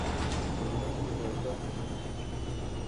رومیان د بازار مهم توکي دي